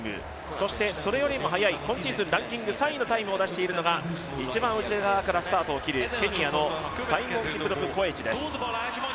そしてそれよりも速い今シーズンランキング３位のタイムを出しているのが一番内側からスタートを切るケニアのサイモンキプロプ・コエチです。